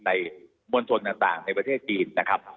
มวลชนต่างในประเทศจีนนะครับ